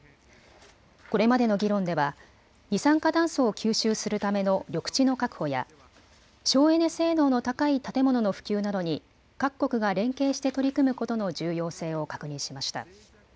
これまでの議論では二酸化炭素を吸収するための緑地の確保や省エネ性能の高い建物の普及などに各国が連携して取り組むことの重要性を確認しました。